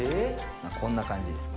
こんな感じですね。